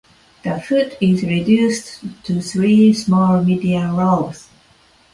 The foot is reduced to three small median lobes.